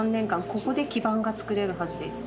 ここで基盤がつくれるはずです。